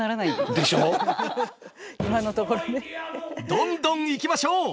どんどんいきましょう！